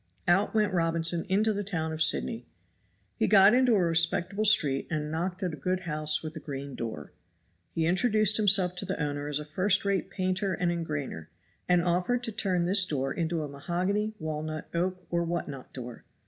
Out went Robinson into the town of Sydney. He got into a respectable street, and knocked at a good house with a green door. He introduced himself to the owner as a first rate painter and engrainer, and offered to turn this door into a mahogany, walnut, oak or what not door.